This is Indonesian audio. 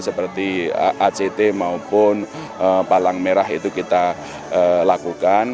seperti act maupun palang merah itu kita lakukan